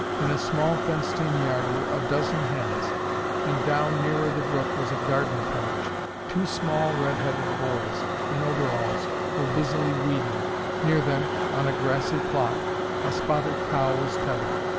In a small, fenced in yard were a dozen hens, and down nearer the brook was a garden patch. Two small, red headed boys in overalls were there busily weeding. Near them, on a grassy plot, a spotted cow was tethered.